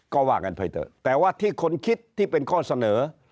ก็ว่ากันไปเถอะแต่ว่าที่คนคิดที่เป็นข้อเสนอ